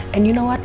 dan kamu tahu apa